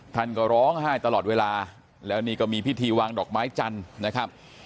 ท่านก็ร้องไห้ตลอดเวลาแล้วนี่ก็มีพิธีวางดอกไม้จันทร์นะครับ